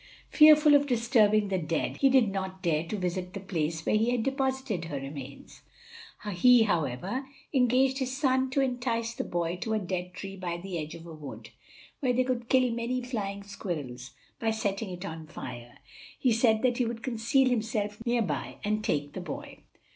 Fearful of disturbing the dead, he did not dare to visit the place where he had deposited her remains. He, however, engaged his son to entice the boy to a dead tree by the edge of a wood, where they could kill many flying squirrels by setting it on fire. He said that he would conceal himself near by and take the boy.